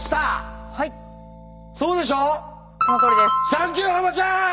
サンキューハマちゃん！